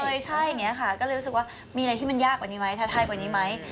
ใช่อย่างนี้ค่ะก็เลยรู้สึกว่ามีอะไรที่มันยากกว่านี้ไหมท้าทายกว่านี้ไหม